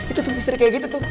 itu tuh booster kayak gitu tuh